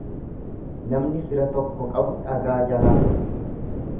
Namni fira tokko qabu dhagaa jalaa gora.